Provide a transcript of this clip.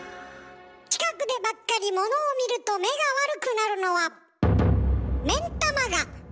近くでばっかりモノを見ると目が悪くなるのは目ん玉が後ろにのびるから。